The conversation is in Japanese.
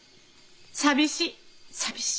寂しい寂しい！